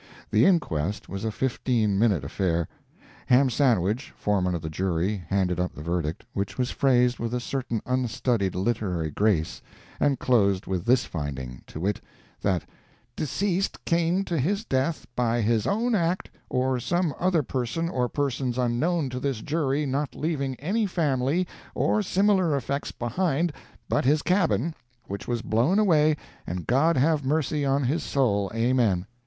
The inquest was a fifteen minute affair. Ham Sandwich, foreman of the jury, handed up the verdict, which was phrased with a certain unstudied literary grace, and closed with this finding, to wit: that "deceased came to his death by his own act or some other person or persons unknown to this jury not leaving any family or similar effects behind but his cabin which was blown away and God have mercy on his soul amen."